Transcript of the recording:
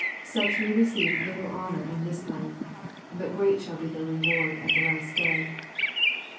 Such may receive little honor in this life. But great shall be their reward at the last day.